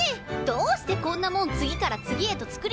どうしてこんなもん次から次へと作り出せるのよ！